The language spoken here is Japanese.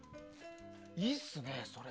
いいっすね、それ。